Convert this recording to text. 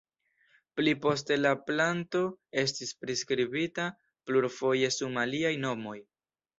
Pli poste la planto estis priskribita plurfoje sum aliaj nomoj.